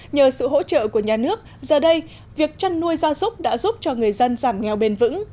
nhờ sự hỗ trợ của nhà nước giờ đây việc chăn nuôi gia súc đã giúp cho người dân giảm nghèo bền vững